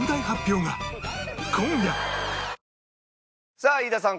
さあ飯田さん